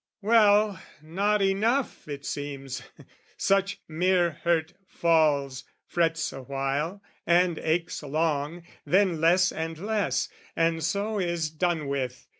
Well, not enough, it seems: such mere hurt falls, Frets awhile, and aches long, then less and less, And so is done with.